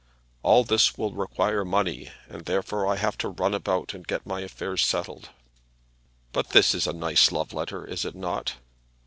All this will require money, and therefore I have to run about and get my affairs settled. But this is a nice love letter, is it not?